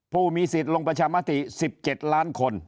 ผู้มีสิทธิ์ลงประชามติสิบเจ็ดล้านคน